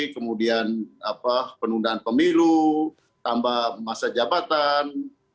kemudian penundaan pemilu tambah masa jabatan